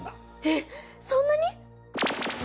えっそんなに？